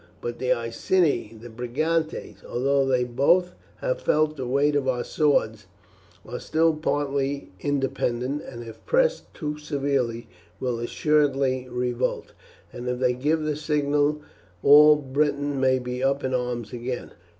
But the Iceni and Brigantes, although they both have felt the weight of our swords, are still partly independent, and if pressed too severely will assuredly revolt, and if they give the signal all Britain may be up in arms again.